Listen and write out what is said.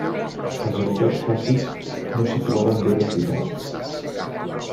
Els autors clàssics no situaven bé la ciutat.